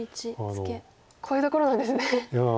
こういうところなんですね。